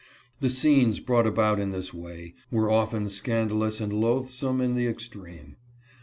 The scenes brought about in this way were often scandalous and loathsome in the extreme.